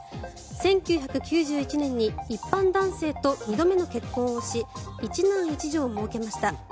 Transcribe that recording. １９９１年に一般男性と２度目の結婚をし１男１女をもうけました。